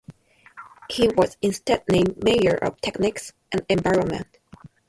He was instead named Mayor of Technics and Environment.